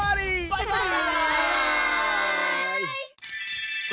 バイバイ！